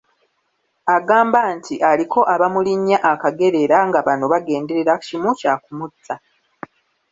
Agamba nti aliko abamulinnya akagere era nga bano bagenderera kimu kya kumutta.